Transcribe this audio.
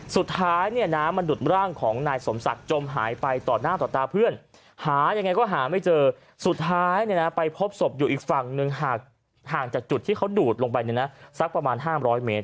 สุดท้ายเนี่ยน้ำมันดูดร่างของนายสมศักดิ์จมหายไปต่อหน้าต่อตาเพื่อนหายังไงก็หาไม่เจอสุดท้ายไปพบศพอยู่อีกฝั่งหนึ่งห่างจากจุดที่เขาดูดลงไปเนี่ยนะสักประมาณ๕๐๐เมตร